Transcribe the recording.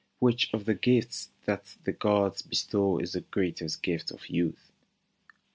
— Which of the gifts that the gods bestow Is the greatest gift of youth ?